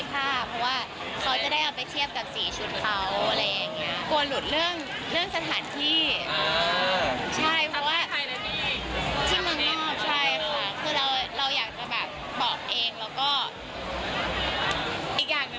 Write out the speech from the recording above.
แล้วเขาก็บอกว่าเขาบอกว่าเห็นแค่นี้ก็น้ำตากพอแล้ว